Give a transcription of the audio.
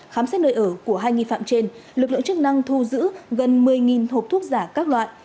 khám xét nơi ở của hai nghi phạm trên lực lượng chức năng thu giữ gần một mươi hộp thuốc giả các loại